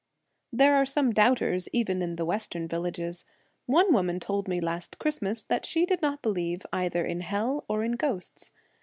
There are some doubters even in the western villages. One woman told me last Christmas that she did not believe either in hell or in ghosts.